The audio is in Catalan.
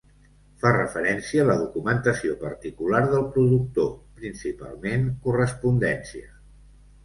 Fa referència a la documentació particular del productor, principalment correspondència.